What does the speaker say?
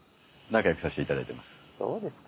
仲良くさせていただいています。